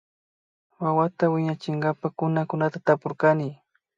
Wawata wiñachinkapa kunakunata tapurkani